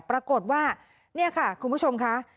ปรากฏว่านี่ค่ะคุณผู้ชมค่ะ